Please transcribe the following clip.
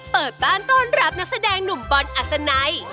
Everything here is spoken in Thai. เปิดบ้านต้อนรับนักแสดงหนุ่มบอลอัศนัย